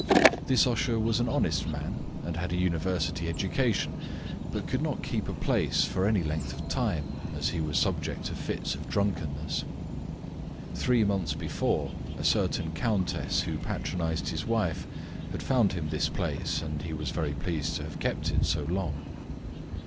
This usher was an honest man, and had a university education, but could not keep a place for any length of time, as he was subject to fits of drunkenness. Three months before a certain countess, who patronised his wife, had found him this place, and he was very pleased to have kept it so long.